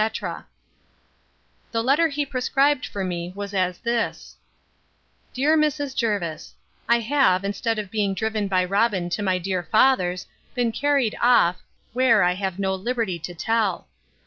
The letter he prescribed for me was as this: 'DEAR Mrs. JERVIS, 'I have, instead of being driven by Robin to my dear father's, been carried off, where I have no liberty to tell.